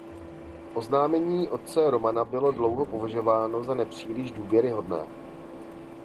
Oznámení otce Romana bylo dlouho považováno za nepříliš důvěryhodné.